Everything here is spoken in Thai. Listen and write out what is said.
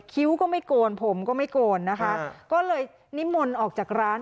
คิ้วก็ไม่โกนผมก็ไม่โกนนะคะก็เลยนิมนต์ออกจากร้าน